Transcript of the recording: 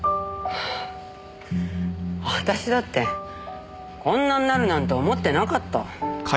私だってこんなになるなんて思ってなかった。